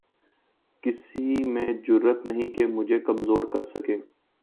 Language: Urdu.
کسی میں جرات نہیں کہ مجھے کمزور کر سکے